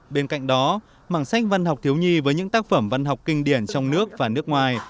bên cạnh đó mảng sách văn học thiếu nhi với những tác phẩm văn học kinh điển trong nước và nước ngoài